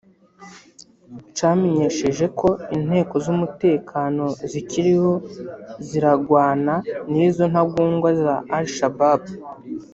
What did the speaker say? camenyesheje ko inteko z'umutekano zikiriko ziragwana n'izo ntagondwa za Al-Shabab